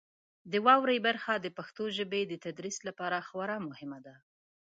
د واورئ برخه د پښتو ژبې د تدریس لپاره خورا مهمه ده.